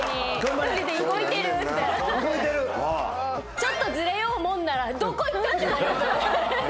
ちょっとずれようもんならどこ行った！？ってなりますよね。